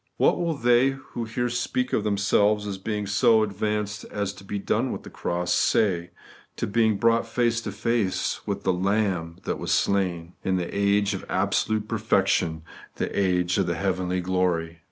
What will they who here speak of them selves as being so advanced as to be done with the cross, say to being brought face to face with the Lamb that was slain, in the age of absolute perfec tion, the age of the heavenly glory